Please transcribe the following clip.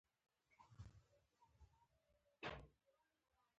عوایدو ارزښت قایل نه دي.